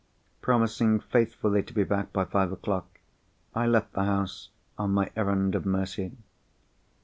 Promising faithfully to be back by five o'clock, I left the house on my errand of mercy.